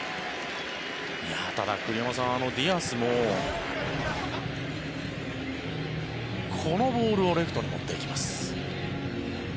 ただ栗山さん、ディアスもこのボールをレフトに持っていきます。